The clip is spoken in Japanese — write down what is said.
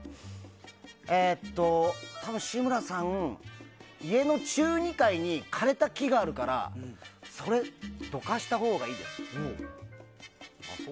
えっと、多分、志村さん家の中２階に枯れた木があるから、それをどかしたほうがいいですよって。